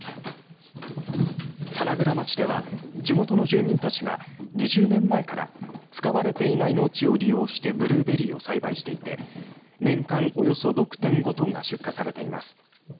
棚倉町では地元の住民たちが２０年前から使われていない農地を利用してブルーベリーを栽培していて年間およそ６．５トンが出荷されています。